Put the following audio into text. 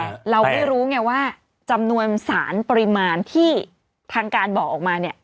ใช่เราไม่รู้ไงว่าจำนวนสารปริมาณที่ทางการบอกออกมาเนี่ย